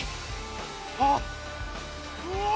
ああうわ